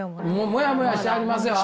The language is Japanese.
もやもやしてはりますよ！